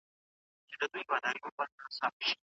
صنعت به وده کوي او پلانونه به عملي کېږي.